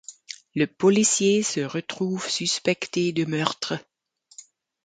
Le policier se retrouve suspecté de meurtre.